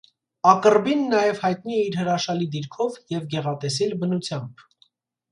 Ակռբին նաև հայտնի է իր հրաշալի դիրքով և գեղատեսիլ բնությամբ։